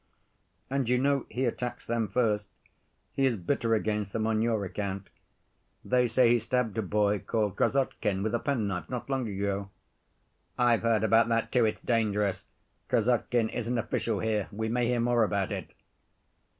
"And you know he attacks them first. He is bitter against them on your account. They say he stabbed a boy called Krassotkin with a pen‐knife not long ago." "I've heard about that too, it's dangerous. Krassotkin is an official here, we may hear more about it."